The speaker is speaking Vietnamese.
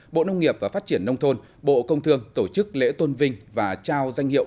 bộ nông nghiệp và phát triển nông thôn bộ công thương tổ chức lễ tôn vinh và trao danh hiệu